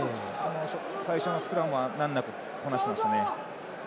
最初のスクラムは難なくこなしてましたね。